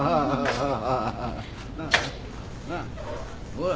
おい。